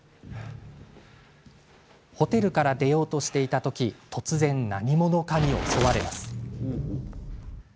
ホテルから出ようとしていた時突然、何者かに襲われます。